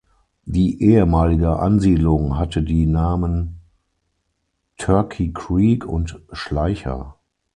Die ehemalige Ansiedlung hatte die Namen "Turkey Creek" und "Schleicher".